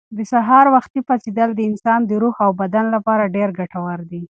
د سهار وختي پاڅېدل د انسان د روح او بدن لپاره ډېر ګټور دي.